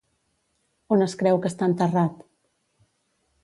On es creu que està enterrat?